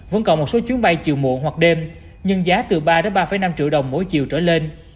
vẫn còn một số chuyến bay chiều muộn hoặc đêm nhưng giá từ ba ba năm triệu đồng mỗi chiều trở lên